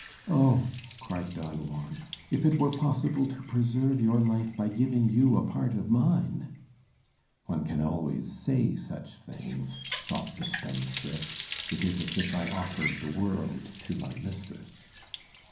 "Oh!" cried Don Juan, "if it were possible to preserve your life by giving you a part of mine!" ("One can always say such things," thought the spendthrift; "it is as if I offered the world to my mistress.")